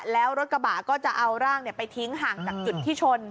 แล้วรถกระบะก็จะเอาร่างไปทิ้งห่างจากจุดที่ชน